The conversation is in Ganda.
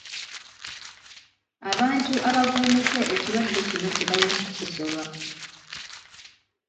Abantu abavvuunuse ekirwadde kino tebalina kusosolwa.